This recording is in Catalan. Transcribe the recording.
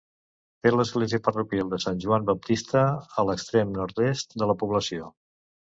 Té l'església parroquial de Sant Joan Baptista a l'extrem nord-est de la població.